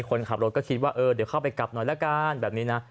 คนขับรถก็คิดว่าเออเดี๋ยวเข้าไปกลับหน่อยละกันแบบนี้นะ